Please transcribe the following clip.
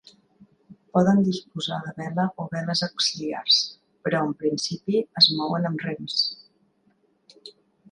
Poden disposar de vela o veles auxiliars però, en principi, es mouen amb rems.